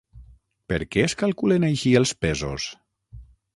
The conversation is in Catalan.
Per què es calculen així els pesos?